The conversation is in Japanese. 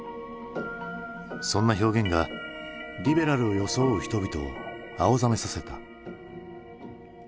そんな表現がリベラルを装う人々を青ざめさせた。